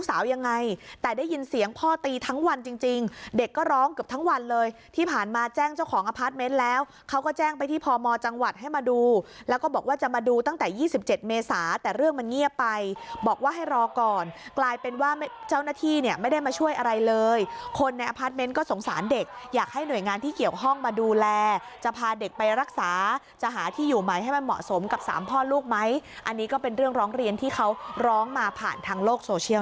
สาวยังไงแต่ได้ยินเสียงพ่อตีทั้งวันจริงจริงเด็กก็ร้องเกือบทั้งวันเลยที่ผ่านมาแจ้งเจ้าของอพาร์ทเมนท์แล้วเขาก็แจ้งไปที่พมจังหวัดให้มาดูแล้วก็บอกว่าจะมาดูตั้งแต่ยี่สิบเจ็ดเมษาแต่เรื่องมันเงียบไปบอกว่าให้รอก่อนกลายเป็นว่าเจ้าหน้าที่เนี่ยไม่ได้มาช่วยอะไรเลยคนในอพาร์ทเมนท์ก็สงสารเด